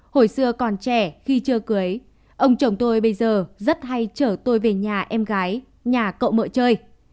hồi xưa còn trẻ khi chơi cưới ông chồng tôi bây giờ rất hay chở tôi về nhà em gái nhà cậu mợ chơi